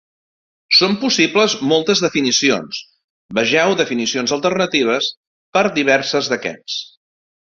Són possibles moltes definicions; vegeu definicions alternatives per a diverses d'aquests.